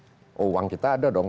oh uang kita ada dong